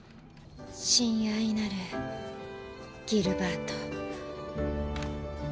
「親愛なるギルバート」。